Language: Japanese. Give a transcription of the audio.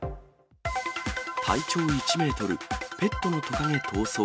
体長１メートル、ペットのトカゲ逃走。